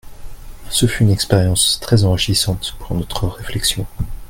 Ce fut une expérience très enrichissante pour notre réflexion.